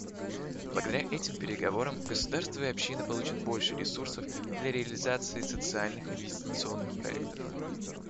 Благодаря этим переговорам государство и общины получат больше ресурсов для реализации социальных инвестиционных проектов.